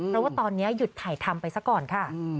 เพราะว่าตอนนี้หยุดถ่ายทำไปซะก่อนค่ะ